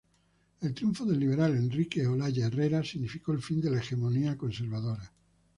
El triunfo del liberal Enrique Olaya Herrera significó el fin de la Hegemonía Conservadora.